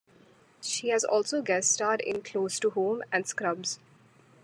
She has also guest starred in "Close to Home" and "Scrubs".